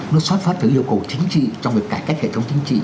nó xuất phát từ yêu cầu chính trị trong việc cải cách hệ thống chính trị